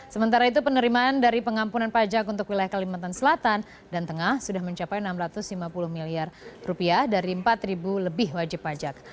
sementara itu penerimaan dari pengampunan pajak untuk wilayah kalimantan selatan dan tengah sudah mencapai rp enam ratus lima puluh miliar dari empat lebih wajib pajak